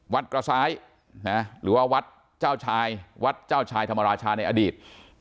วัดเกราะซายจะวัดเจ้าขายธรรมราชาในอดีต